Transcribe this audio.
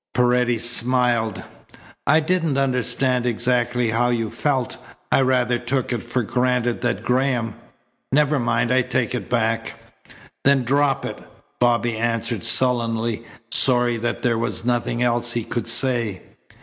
Paredes smiled. "I didn't understand exactly how you felt. I rather took it for granted that Graham Never mind. I take it back." "Then drop it," Bobby answered sullenly, sorry that there was nothing else he could say.